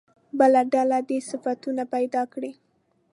بله ډله دې صفتونه پیدا کړي.